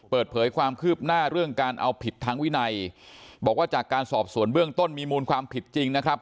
เปิดเผยความคืบหน้าเรื่องการเอาผิดทางวินัยบอกว่าจากการสอบสวนเบื้องต้นมีมูลความผิดจริงนะครับ